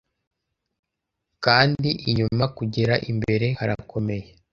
kandi inyuma kugera imbere harakomey